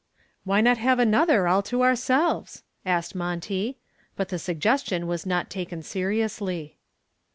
"Why not have another all to ourselves?" asked Monty. But the suggestion was not taken seriously.